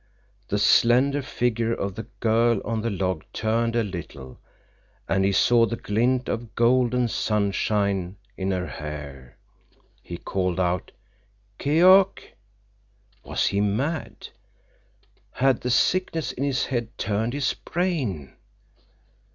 The slender figure of the girl on the log turned a little, and he saw the glint of golden sunshine in her hair. He called out. "Keok!" Was he mad? Had the sickness in his head turned his brain?